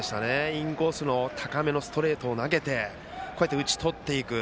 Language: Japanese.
インコースの高めのストレートを投げて打ち取っていく。